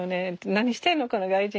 「何してるのこの外人？」